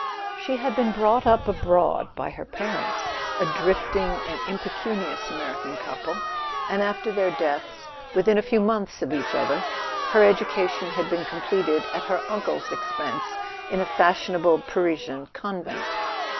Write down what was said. She had been brought up abroad by her parents, a drifting and impecunious American couple; and after their deaths, within a few months of each other, her education had been completed, at her uncle's expense, in a fashionable Parisian convent.